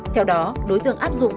theo đó đối tượng áp dụng